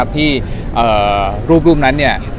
ที่รูปนั้นเนี้ย